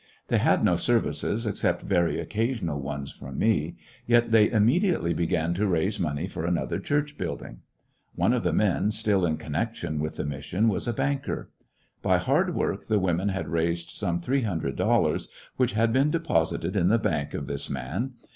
They had no services except very occasional ones from me^ yet they immediately began to raise money for another church bnildiug* One of the men still in connection with the mission was a banker. By hard work the women had raised some three hundred dollarSj which had been deposited in the bank of this man.